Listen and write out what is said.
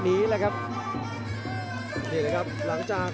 โอ้โหไม่พลาดกับธนาคมโด้แดงเขาสร้างแบบนี้